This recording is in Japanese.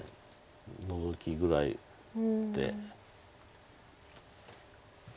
ノゾキぐらいで。